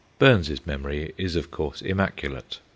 Burns' s memory is, of course, immaculate.